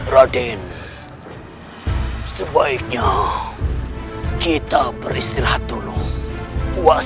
raden sebaiknya kita beristirahat dulu puas